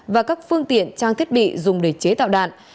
và các phương tiện trang thiết bị dùng để chế tạo đạn